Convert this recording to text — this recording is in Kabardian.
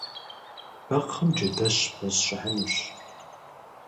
Бэкхъым джэдэщ бгъурысщӏыхьынущ.